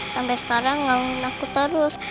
sampai sekarang ngelakuin aku terus